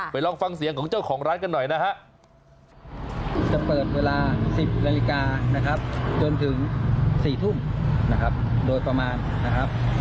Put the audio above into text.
ลองฟังเสียงของเจ้าของร้านกันหน่อยนะฮะ